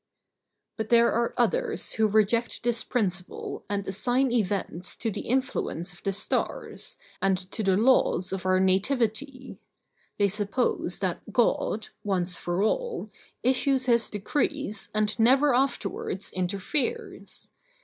But there are others who reject this principle and assign events to the influence of the stars, and to the laws of our nativity; they suppose that God, once for all, issues his decrees and never afterwards interferes.